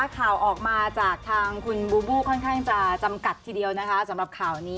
ข่าวออกมาจากทางคุณบูบูค่อนข้างจะจำกัดทีเดียวนะคะ